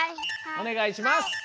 おねがいします！